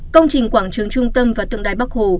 công trình quảng trường trung tâm và tượng đài bắc hồ